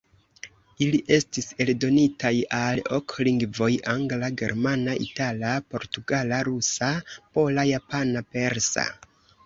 Ili estis eldonitaj al ok lingvoj: Angla, Germana, Itala, Portugala, Rusa, Pola, Japana, Persa.